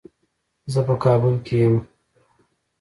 زه په کابل کې یم.